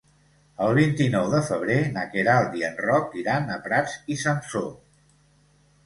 El vint-i-nou de febrer na Queralt i en Roc iran a Prats i Sansor.